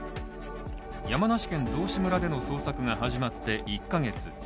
山梨県道志村での捜索が始まって１ヶ月。